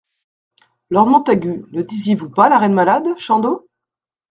Lord Montagu Ne disiez-vous pas La Reine malade, Chandos ?